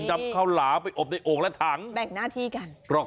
นำข้าวหลาไปอบในโอ่งและถังแบ่งหน้าที่กัน